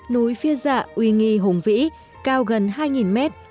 núi pha dạ uy nghì hùng vĩ cao gần hai mét